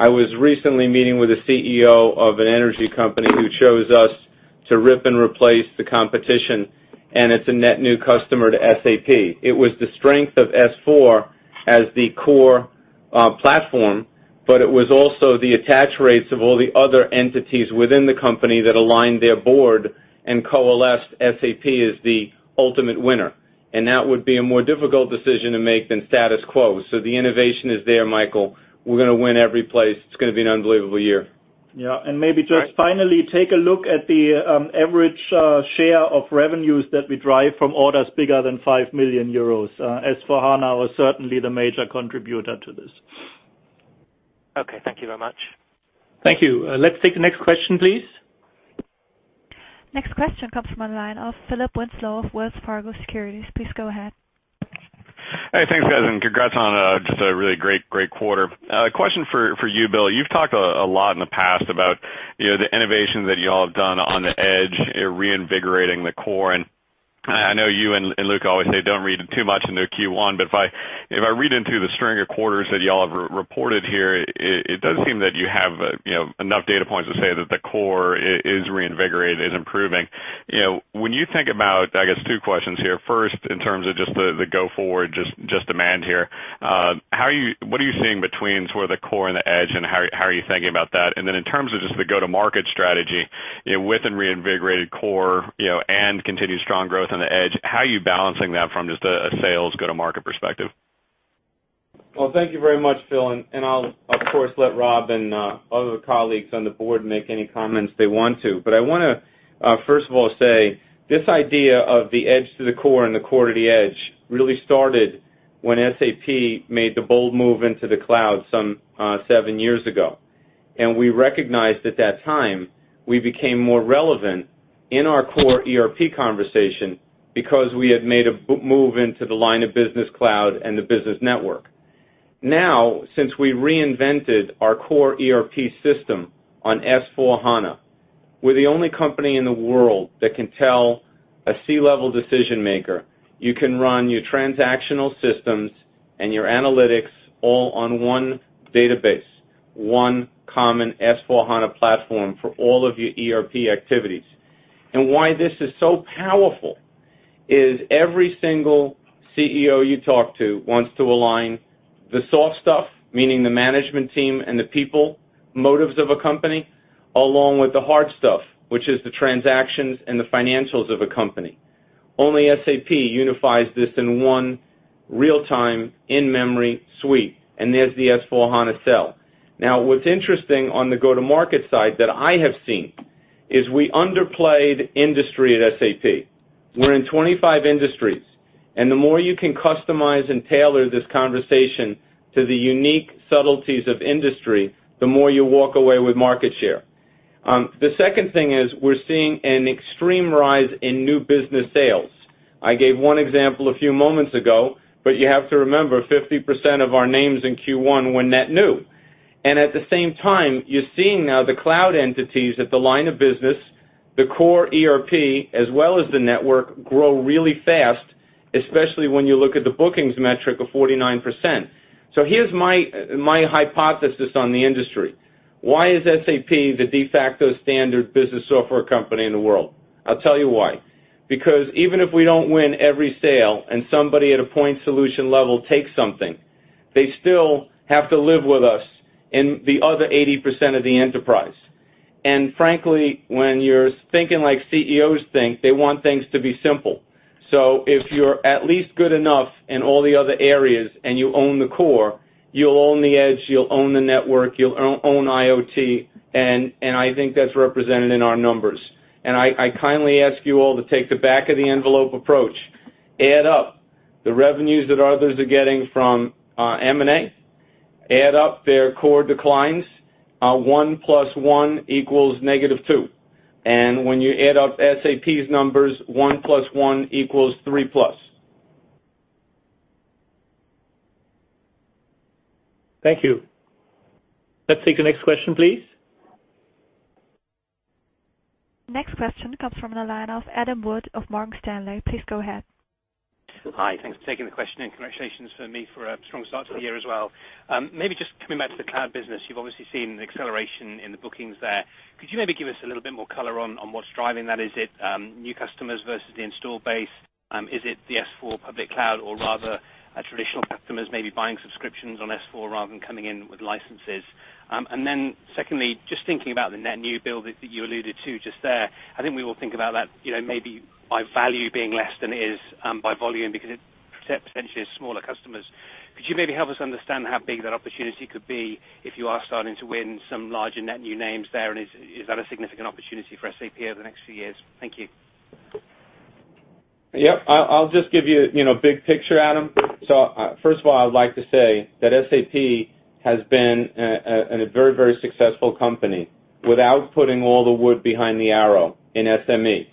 I was recently meeting with a CEO of an energy company who chose us to rip and replace the competition, and it's a net new customer to SAP. It was the strength of S/4 as the core platform, but it was also the attach rates of all the other entities within the company that aligned their board and coalesced SAP as the ultimate winner. That would be a more difficult decision to make than status quo. The innovation is there, Michael. We're going to win every place. It's going to be an unbelievable year. Yeah. Maybe just finally, take a look at the average share of revenues that we drive from orders bigger than 5 million euros. SAP S/4HANA was certainly the major contributor to this. Okay. Thank you very much. Thank you. Let's take the next question, please. Next question comes from the line of Philip Winslow of Wells Fargo Securities. Please go ahead. Hey, thanks guys, and congrats on just a really great quarter. A question for you, Bill. You've talked a lot in the past about the innovations that you all have done on the Edge, reinvigorating the core, and I know you and Luka always say, don't read too much into Q1, but if I read into the string of quarters that you all have reported here, it does seem that you have enough data points to say that the core is reinvigorated, is improving. When you think about, I guess two questions here. First, in terms of just the go-forward, just demand here. What are you seeing between sort of the core and the Edge, and how are you thinking about that? In terms of just the go-to-market strategy with a reinvigorated core and continued strong growth on the Edge, how are you balancing that from just a sales go-to-market perspective? Well, thank you very much, Phil. I'll of course let Rob and other colleagues on the board make any comments they want to. I want to first of all say, this idea of the Edge to the core and the core to the Edge really started when SAP made the bold move into the cloud some seven years ago. We recognized at that time we became more relevant in our core ERP conversation because we had made a move into the line of business cloud and the business network. Now, since we reinvented our core ERP system on S/4HANA, we're the only company in the world that can tell a C-level decision maker, you can run your transactional systems and your analytics all on one database, one common S/4HANA platform for all of your ERP activities. Why this is so powerful is every single CEO you talk to wants to align the soft stuff, meaning the management team and the people motives of a company, along with the hard stuff, which is the transactions and the financials of a company. Only SAP unifies this in one real-time, in-memory suite, and there's the S/4HANA sell. What's interesting on the go-to-market side that I have seen is we underplayed industry at SAP. We're in 25 industries, and the more you can customize and tailor this conversation to the unique subtleties of industry, the more you walk away with market share. The second thing is we're seeing an extreme rise in new business sales. I gave one example a few moments ago, but you have to remember, 50% of our names in Q1 were net new. At the same time, you're seeing now the cloud entities at the line of business, the core ERP, as well as the network, grow really fast, especially when you look at the bookings metric of 49%. Here's my hypothesis on the industry. Why is SAP the de facto standard business software company in the world? I'll tell you why. Because even if we don't win every sale and somebody at a point solution level takes something, they still have to live with us in the other 80% of the enterprise. Frankly, when you're thinking like CEOs think, they want things to be simple. If you're at least good enough in all the other areas and you own the core, you'll own the Edge, you'll own the network, you'll own IoT, and I think that's represented in our numbers. I kindly ask you all to take the back of the envelope approach. Add up the revenues that others are getting from M&A. Add up their core declines. One plus one equals negative two. When you add up SAP's numbers, one plus one equals three plus. Thank you. Let's take the next question, please. Next question comes from the line of Adam Wood of Morgan Stanley. Please go ahead. Hi. Thanks for taking the question, congratulations from me for a strong start to the year as well. Maybe just coming back to the cloud business, you've obviously seen the acceleration in the bookings there. Could you maybe give us a little bit more color on what's driving that? Is it new customers versus the install base? Is it the S/4 public cloud or rather traditional customers maybe buying subscriptions on S/4 rather than coming in with licenses? Secondly, just thinking about the net new build that you alluded to just there, I think we all think about that maybe by value being less than it is by volume because it potentially is smaller customers. Could you maybe help us understand how big that opportunity could be if you are starting to win some larger net new names there? Is that a significant opportunity for SAP over the next few years? Thank you. Yep. First of all, I would like to say that SAP has been a very successful company without putting all the wood behind the arrow in SME.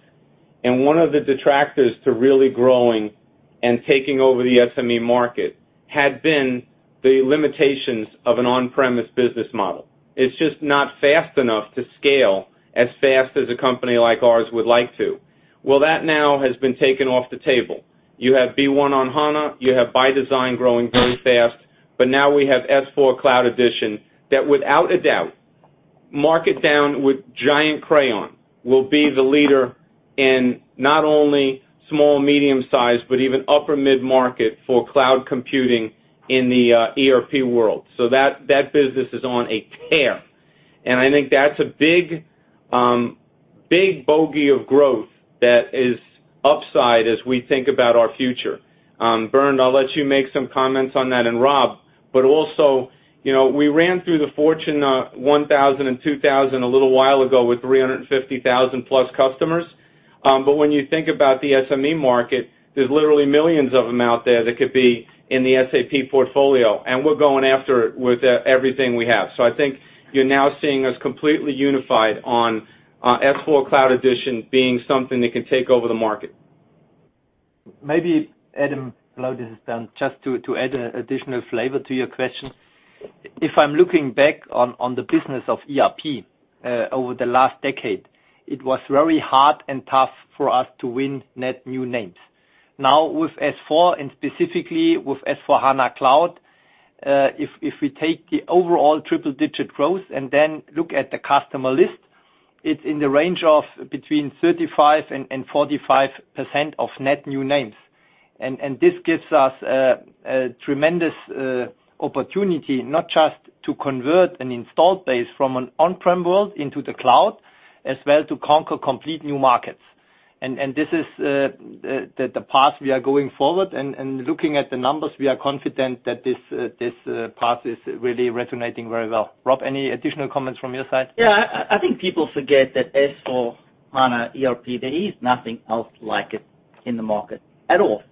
One of the detractors to really growing and taking over the SME market had been the limitations of an on-premise business model. It's just not fast enough to scale as fast as a company like ours would like to. Well, that now has been taken off the table. You have B1 on HANA, you have ByDesign growing very fast, but now we have S/4 Cloud Edition that without a doubt, mark it down with giant crayon, will be the leader in not only small, medium-sized, but even upper mid-market for cloud computing in the ERP world. That business is on a tear. I think that's a big bogey of growth that is upside as we think about our future. Bernd, I'll let you make some comments on that, and Rob. Also, we ran through the Fortune 1000 and 2,000 a little while ago with 350,000+ customers. When you think about the SME market, there's literally millions of them out there that could be in the SAP portfolio, and we're going after it with everything we have. I think you're now seeing us completely unified on S/4 Cloud Edition being something that can take over the market. Maybe, Adam, while this is done, just to add additional flavor to your question. If I'm looking back on the business of ERP over the last decade, it was very hard and tough for us to win net new names. Now with S/4, and specifically with S/4HANA Cloud, if we take the overall triple-digit growth and then look at the customer list, it's in the range of between 35% and 45% of net new names. This gives us a tremendous opportunity, not just to convert an installed base from an on-prem world into the cloud, as well to conquer complete new markets. This is the path we are going forward. Looking at the numbers, we are confident that this path is really resonating very well. Rob, any additional comments from your side? Yeah, I think people forget that S/4HANA ERP, there is nothing else like it in the market at all.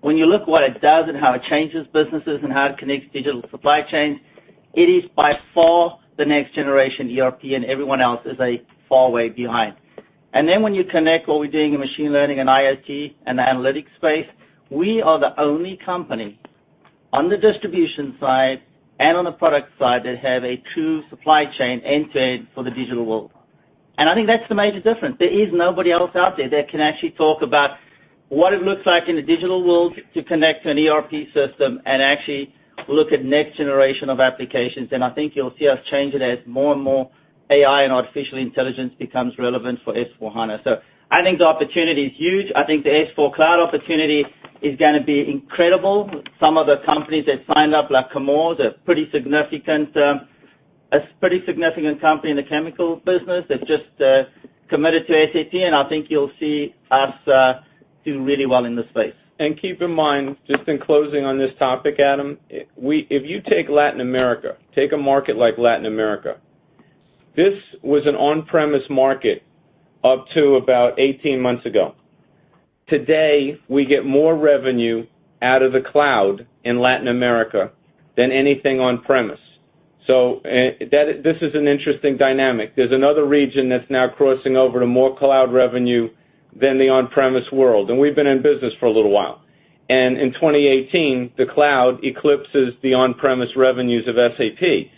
When you look what it does and how it changes businesses and how it connects digital supply chains, it is by far the next generation ERP, and everyone else is a far way behind. Then when you connect what we're doing in machine learning and IoT and the analytics space, we are the only company on the distribution side and on the product side that have a true supply chain end-to-end for the digital world. I think that's the major difference. There is nobody else out there that can actually talk about what it looks like in the digital world to connect an ERP system and actually look at next generation of applications. I think you'll see us change it as more and more AI and artificial intelligence becomes relevant for S/4HANA. I think the S/4 Cloud opportunity is going to be incredible. Some of the companies that signed up, like Chemours, a pretty significant company in the chemical business, they've just committed to SAP, and I think you'll see us do really well in this space. Keep in mind, just in closing on this topic, Adam, if you take Latin America, take a market like Latin America. This was an on-premise market up to about 18 months ago. Today, we get more revenue out of the cloud in Latin America than anything on premise. This is an interesting dynamic. There's another region that's now crossing over to more cloud revenue than the on-premise world. We've been in business for a little while. In 2018, the cloud eclipses the on-premise revenues of SAP.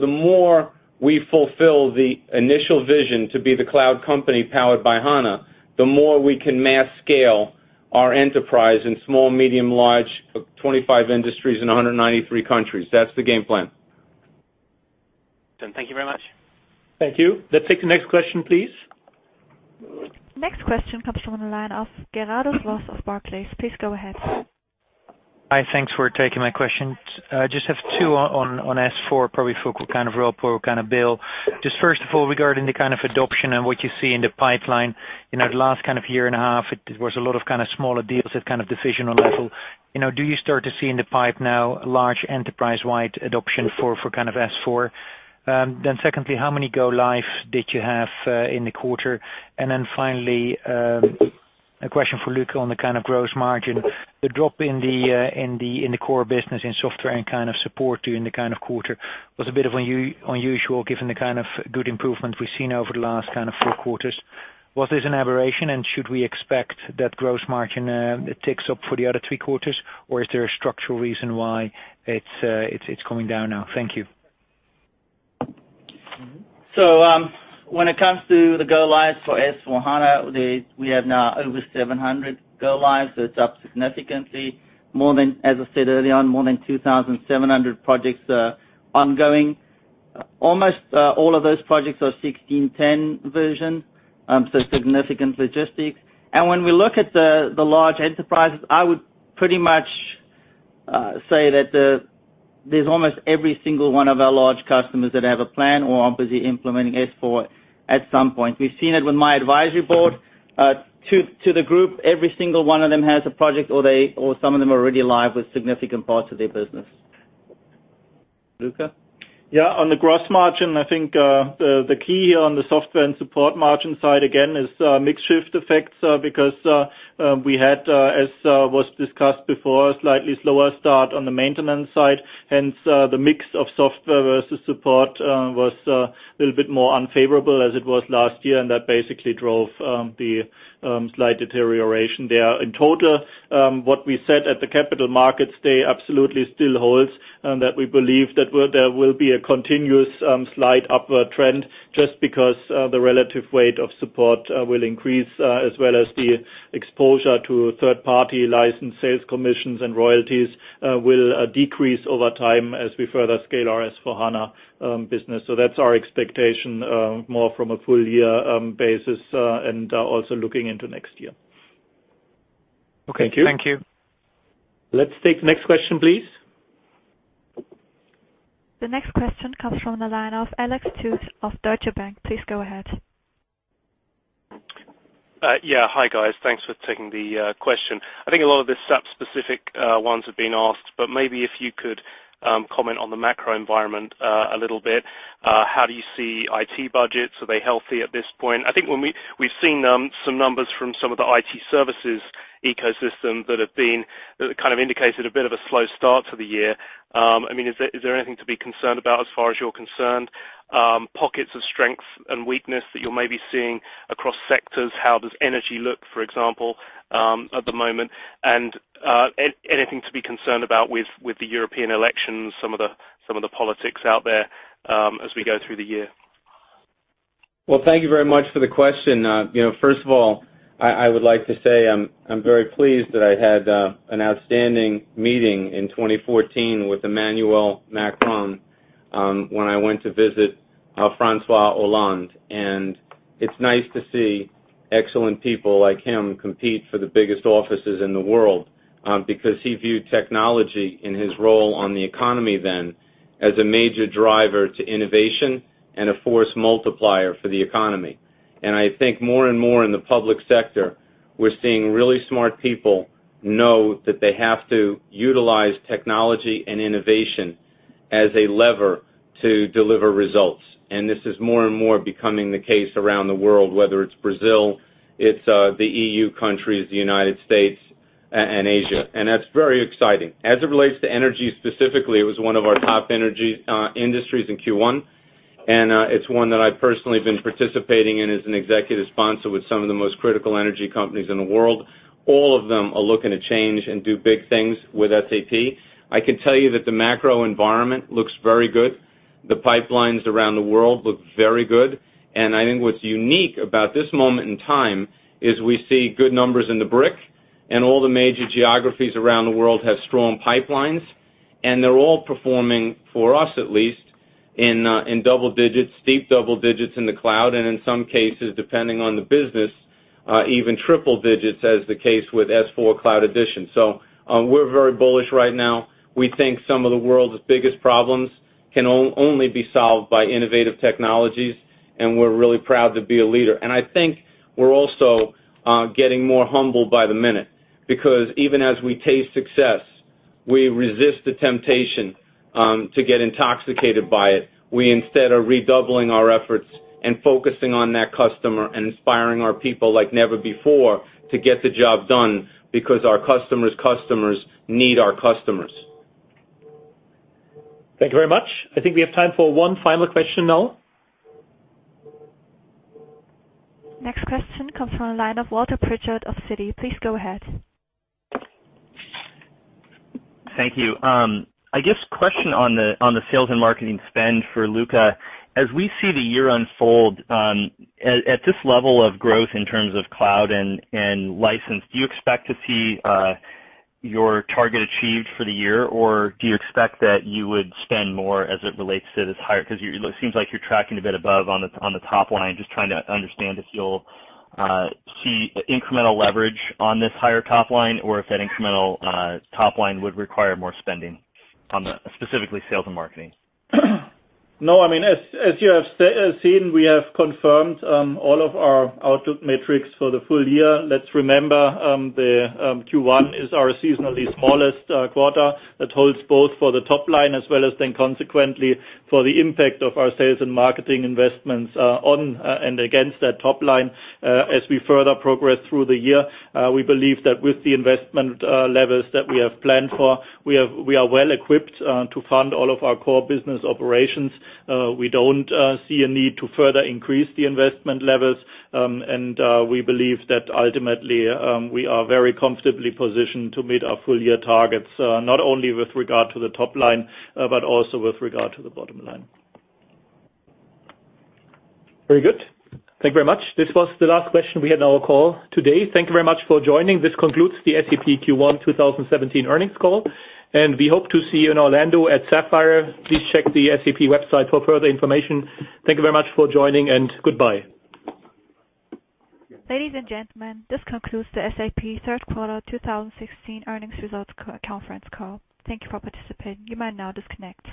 The more we fulfill the initial vision to be the cloud company powered by HANA, the more we can mass scale our enterprise in small, medium, large, 25 industries in 193 countries. That's the game plan. Thank you very much. Thank you. Let's take the next question, please. Next question comes from the line of Gerardus Vos of Barclays. Please go ahead. Hi, thanks for taking my question. I just have two on S/4, probably for Rob or Bill. Just first of all, regarding the kind of adoption and what you see in the pipeline. The last year and a half, it was a lot of smaller deals at divisional level. Do you start to see in the pipe now a large enterprise-wide adoption for S/4? Secondly, how many go live did you have in the quarter? Finally, a question for Luka on the gross margin. The drop in the core business in software and support during the quarter was a bit of unusual given the kind of good improvement we've seen over the last four quarters. Was this an aberration, and should we expect that gross margin ticks up for the other three quarters? Is there a structural reason why it's going down now? Thank you. When it comes to the go lives for S/4HANA, we have now over 700 go lives. It's up significantly. As I said earlier on, more than 2,700 projects are ongoing. Almost all of those projects are 16.10 version, so significant logistics. When we look at the large enterprises, I would pretty much say that there's almost every single one of our large customers that have a plan or are busy implementing S/4 at some point. We've seen it with my advisory board. To the group, every single one of them has a project or some of them are already live with significant parts of their business. Luka? Yeah, on the gross margin, I think the key on the software and support margin side, again, is mix shift effects because we had, as was discussed before, a slightly slower start on the maintenance side, hence the mix of software versus support was a little bit more unfavorable as it was last year, and that basically drove the slight deterioration there. In total, what we said at the capital markets day absolutely still holds, that we believe that there will be a continuous slight upward trend just because the relative weight of support will increase as well as the exposure to third-party license sales commissions and royalties will decrease over time as we further scale our S/4HANA business. That's our expectation more from a full year basis and also looking into next year. Okay. Thank you. Let's take the next question, please. The next question comes from the line of Alex Tout of Deutsche Bank. Please go ahead. Yeah. Hi, guys. Thanks for taking the question. I think a lot of the SAP specific ones have been asked, but maybe if you could comment on the macro environment a little bit. How do you see IT budgets? Are they healthy at this point? I think we've seen some numbers from some of the IT services ecosystem that kind of indicated a bit of a slow start to the year. Is there anything to be concerned about as far as you're concerned? Pockets of strength and weakness that you're maybe seeing across sectors. How does energy look, for example, at the moment? And anything to be concerned about with the European elections, some of the politics out there, as we go through the year? Well, thank you very much for the question. First of all, I would like to say I'm very pleased that I had an outstanding meeting in 2014 with Emmanuel Macron, when I went to visit François Hollande. It's nice to see excellent people like him compete for the biggest offices in the world, because he viewed technology in his role on the economy then, as a major driver to innovation and a force multiplier for the economy. I think more and more in the public sector, we're seeing really smart people know that they have to utilize technology and innovation as a lever to deliver results. This is more and more becoming the case around the world, whether it's Brazil, it's the EU countries, the United States, and Asia. That's very exciting. As it relates to energy specifically, it was one of our top energy industries in Q1, and it's one that I've personally been participating in as an executive sponsor with some of the most critical energy companies in the world. All of them are looking to change and do big things with SAP. I can tell you that the macro environment looks very good. The pipelines around the world look very good. I think what's unique about this moment in time is we see good numbers in the BRIC, all the major geographies around the world have strong pipelines, and they're all performing, for us at least, in double digits, steep double digits in the cloud, and in some cases, depending on the business, even triple digits, as the case with S/4 Cloud Edition. We're very bullish right now. We think some of the world's biggest problems can only be solved by innovative technologies, and we're really proud to be a leader. I think we're also getting more humble by the minute, because even as we taste success, we resist the temptation to get intoxicated by it. We instead are redoubling our efforts and focusing on that customer and inspiring our people like never before to get the job done, because our customers' customers need our customers. Thank you very much. I think we have time for one final question now. Next question comes from the line of Walter Pritchard of Citi. Please go ahead. Thank you. I guess question on the sales and marketing spend for Luka. As we see the year unfold, at this level of growth in terms of cloud and license, do you expect to see your target achieved for the year, or do you expect that you would spend more as it relates to this higher because it seems like you're tracking a bit above on the top line. Just trying to understand if you'll see incremental leverage on this higher top line or if that incremental top line would require more spending on specifically sales and marketing. As you have seen, we have confirmed all of our outlook metrics for the full year. Let's remember, the Q1 is our seasonally smallest quarter. That holds both for the top line as well as consequently for the impact of our sales and marketing investments on and against that top line. As we further progress through the year, we believe that with the investment levels that we have planned for, we are well equipped to fund all of our core business operations. We don't see a need to further increase the investment levels. We believe that ultimately, we are very comfortably positioned to meet our full-year targets, not only with regard to the top line, but also with regard to the bottom line. Very good. Thank you very much. This was the last question we had on our call today. Thank you very much for joining. This concludes the SAP Q1 2017 earnings call, and we hope to see you in Orlando at Sapphire. Please check the SAP website for further information. Thank you very much for joining, and goodbye. Ladies and gentlemen, this concludes the SAP third quarter 2016 earnings results conference call. Thank you for participating. You may now disconnect.